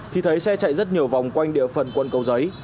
thì thấy xe chạy rất nhiều vòng quanh địa phần quân cầu giấy